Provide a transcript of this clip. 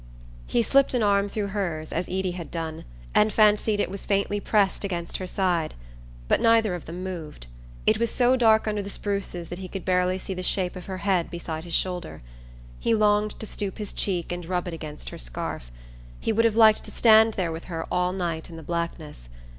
He slipped an arm through hers, as Eady had done, and fancied it was faintly pressed against her side, but neither of them moved. It was so dark under the spruces that he could barely see the shape of her head beside his shoulder. He longed to stoop his cheek and rub it against her scarf. He would have liked to stand there with her all night in the blackness.